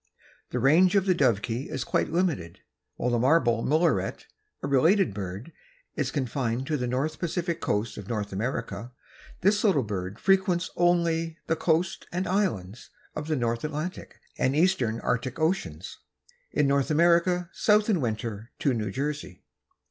The range of the Dovekie is quite limited. While the marble murrelet, a related bird, is confined to the northern Pacific coast of North America, this little bird frequents only the "coast and islands of the north Atlantic and eastern Arctic Oceans; in North America south in winter to New Jersey."